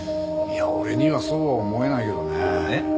いや俺にはそうは思えないけどね。